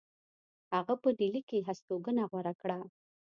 هغه په ډهلی کې هستوګنه غوره کړه.